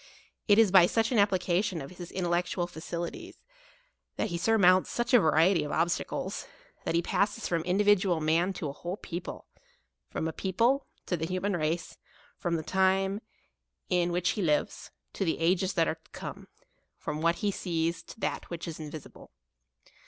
It is by such an application of his in tellectual faculties, that he surmounts such a variety of obstacles ; that he passes from in dividual man to an whole people ; from a people, to the human race ; from the time in which he lives, to the ages that are to come ; from what he sees to that which is invisible.